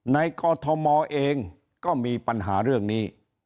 กอทมเองก็มีปัญหาเรื่องนี้